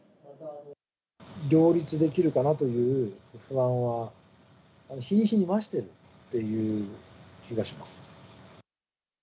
両立できるかなという不安は日に日に増してるという気がします。